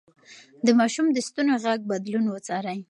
د ماشوم د ستوني غږ بدلون وڅارئ.